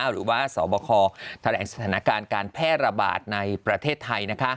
หรือว่าสบคแถลงสถานการณ์การแพร่ระบาดในประเทศไทย